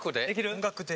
音楽で？